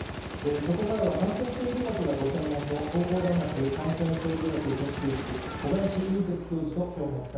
ここからは感染制御学がご専門の、東邦大学感染制御学研究室、小林寅てつ教授ときょうもお伝え